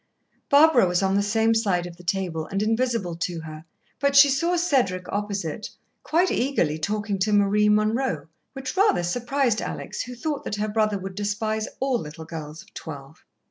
Barbara was on the same side of the table and invisible to her, but she saw Cedric opposite, quite eagerly talking to Marie Munroe, which rather surprised Alex, who thought that her brother would despise all little girls of twelve.